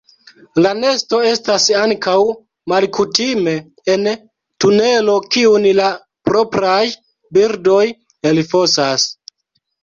La nesto estas ankaŭ malkutime en tunelo kiun la propraj birdoj elfosas.